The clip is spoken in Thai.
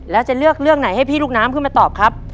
แล้วจะเลือกเรื่องไหนให้พี่ลูกน้ำขึ้นมาตอบครับ